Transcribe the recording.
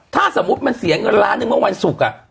ถ้าสมมุติมันเสียเงินล้านหนึ่งเมื่อวันศุกร์